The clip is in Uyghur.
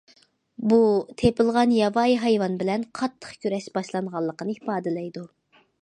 بۇ، تېپىلغان ياۋايى ھايۋان بىلەن قاتتىق كۈرەش باشلانغانلىقىنى ئىپادىلەيدۇ.